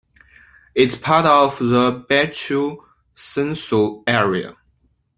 It is part of the Bethel Census Area.